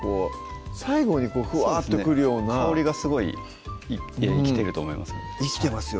最後にフワッとくるような香りがすごい生きてると思います